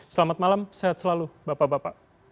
selamat malam sehat selalu bapak bapak